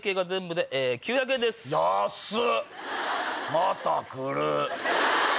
また来る。